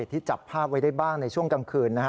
ที่จับภาพไว้ได้บ้างในช่วงกลางคืน